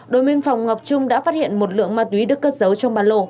đối biên phòng ngọc trung đã phát hiện một lượng ma túy được cất giấu trong bàn lồ